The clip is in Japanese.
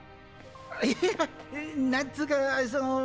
いやっなんつうかその。